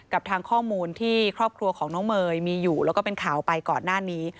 กับทางข้อมูลที่ครอบครัวของน้องเมย์มีอยู่แล้วก็เป็นข่าวไปก่อนหน้านี้